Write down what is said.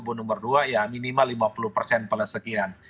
kekuatan politik parlement kubu nomor dua ya minimal lima puluh pala sekian